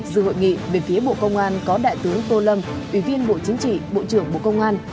dự hội nghị về phía bộ công an có đại tướng tô lâm ủy viên bộ chính trị bộ trưởng bộ công an